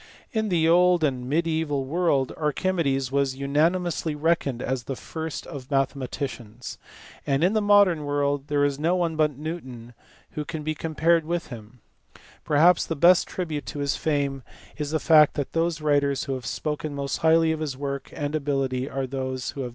In the old and mediaeval world Archimedes was unanimously reckoned as the first of mathematicians : and in the modern world there is no one but Newton who can be compared with him. Perhaps the best tribute to his fame is the fact that those writers who have spoken most highly of his work and ability are those who have been themselves the most distinguished men of their own generation.